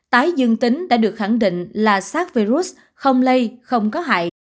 tái dương tính đã được khẳng định là sars virus không lây không có hại